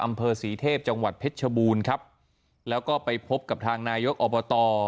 อำเภอศรีเทพจังหวัดเพชรชบูรณ์ครับแล้วก็ไปพบกับทางนายกอบต